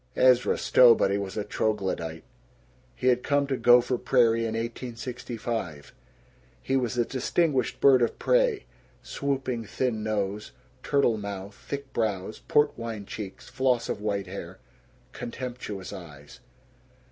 Ezra Stowbody was a troglodyte. He had come to Gopher Prairie in 1865. He was a distinguished bird of prey swooping thin nose, turtle mouth, thick brows, port wine cheeks, floss of white hair, contemptuous eyes.